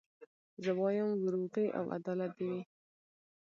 زه وايم وروغي او عدالت دي وي